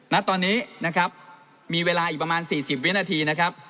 ณตอนนี้มีเวลาอีกประมาณ๔๐วินาที